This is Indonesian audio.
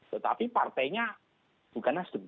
tetapi partainya bukan nasdem